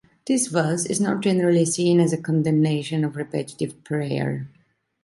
This verse is not generally seen as a condemnation of repetitive prayer.